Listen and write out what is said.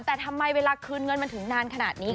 แต่ทำไมเวลาคืนเงินมันถึงนานขนาดนี้